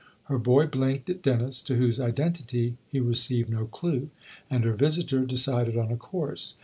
Her boy blinked at Dennis, to whose identity he received no clue ; and her visitor decided on a course.